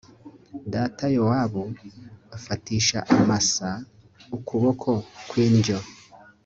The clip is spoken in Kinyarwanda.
data yowabu afatisha amasa ukuboko kw indyo